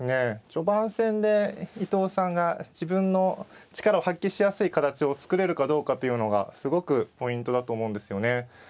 序盤戦で伊藤さんが自分の力を発揮しやすい形を作れるかどうかというのがすごくポイントだと思うんですよね。